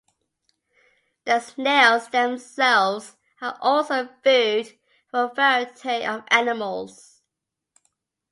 The snails themselves are also food for a variety of animals.